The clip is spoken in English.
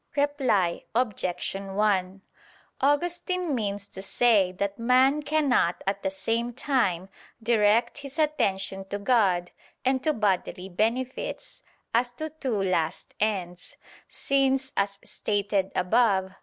Reply Obj. 1: Augustine means to say that man cannot at the same time direct his attention to God and to bodily benefits, as to two last ends: since, as stated above (Q.